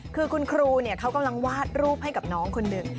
คือคุณครูเขากำลังวาดรูปให้กับน้องคนหนึ่ง